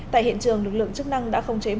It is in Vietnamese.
tại hiện trường lực lượng chức năng đã khống chế